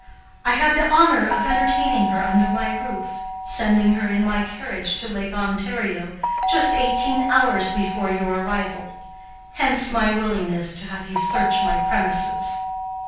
I had the honor of entertaining her under my roof, sending her in my carriage to Lake Ontario, just eighteen hours before your arrival: hence my willingness to have you search my premises."